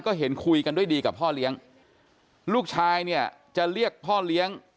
ก็เห็นคุยกันด้วยดีกับพ่อเลี้ยงลูกชายเนี่ยจะเรียกพ่อเลี้ยง